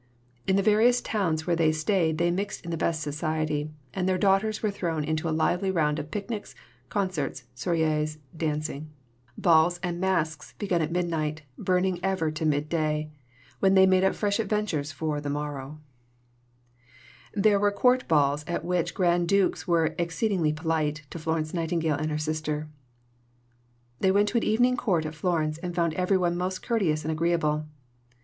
In the various towns where they stayed they mixed in the best society, and their daughters were thrown into a lively round of picnics, concerts, soirées, dancing: Balls and masks begun at midnight, burning ever to mid day, When they made up fresh adventures for the morrow There were Court balls at which Grand Dukes were "exceedingly polite" to Florence Nightingale and her sister. They went to an evening Court at Florence, and found "everyone most courteous and agreeable."